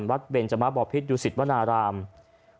วัดเบลจมบ่อพิษยุสิตวนารามครับ